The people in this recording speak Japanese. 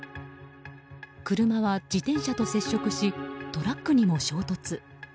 車は自転車と接触しトラックにも衝突。